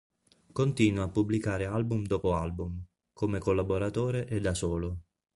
Continua a pubblicare album dopo album, come collaboratore e da solo.